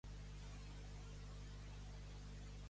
Allà que allà.